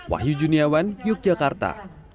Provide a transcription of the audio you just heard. wahyu juniawan yogyakarta